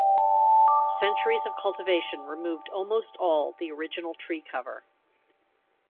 Centuries of cultivation removed almost all the original tree cover.